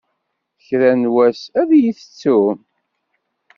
Kra n wass ad iyi-tettum.